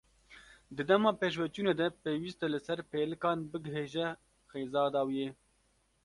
Di dema pêşveçûnê de pêwîst e li ser pêlikan bighêje xêza dawiyê.